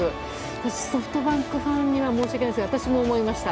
私、ソフトバンクファンには申し訳ないんですが私も思いました。